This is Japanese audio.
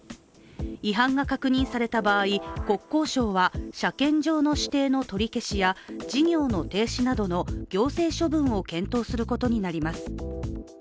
違反が確認された場合、国交省は車検場の指定の取り消しや事業の停止などの行政処分を検討することになります。